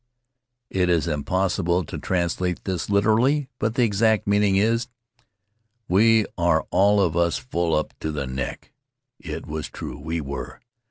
It is impossible to translate this literally, but the exact meaning is, 'We are all of us full up to the neck." It was true. We were.